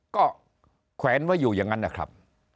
ก็แขวนไว้อยู่อย่างนั้นนะครับ